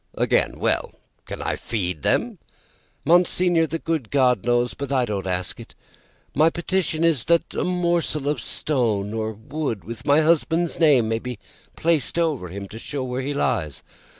"Again, well? Can I feed them?" "Monseigneur, the good God knows; but I don't ask it. My petition is, that a morsel of stone or wood, with my husband's name, may be placed over him to show where he lies.